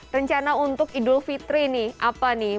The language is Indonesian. rencana untuk idul fitri nih apa nih